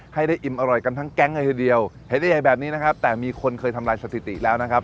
ให้ได้อิ่มอร่อยกันทั้งแก๊งเลยทีเดียวเห็นได้ใหญ่แบบนี้นะครับแต่มีคนเคยทำลายสถิติแล้วนะครับ